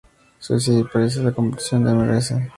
Suecia y aparecer en la competición de Mrs.